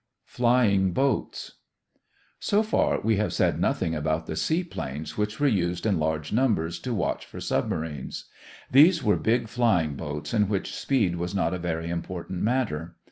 FLYING BOATS So far we have said nothing about the seaplanes which were used in large numbers to watch for submarines. These were big flying boats in which speed was not a very important matter.